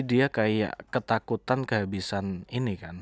jadi dia kayak ketakutan kehabisan ini kan